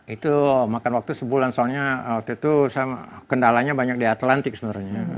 itu makan waktu sebulan soalnya waktu itu kendalanya banyak di atlantik sebenarnya